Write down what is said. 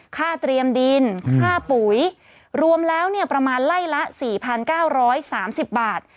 ค่าเตรียมดินค่าปุ๋ยรวมแล้วเนี่ยประมาณไล่ละ๔๙๓๐บาท